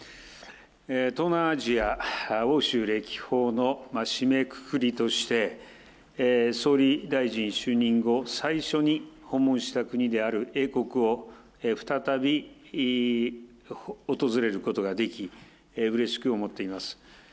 東南アジア、欧州歴訪の締めくくりとして、総理大臣就任後、最初に訪問した国である英国を再び訪れることができ、うれしく思っています。